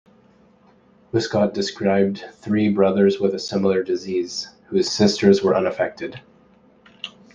Wiskott described three brothers with a similar disease, whose sisters were unaffected.